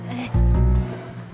kita berdua makan